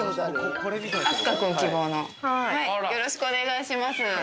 よろしくお願いします